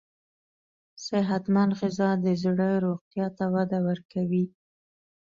صحتمند غذا د زړه روغتیا ته وده ورکوي.